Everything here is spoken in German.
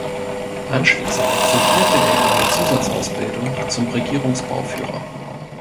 Anschließend absolvierte er eine Zusatzausbildung zum Regierungsbauführer.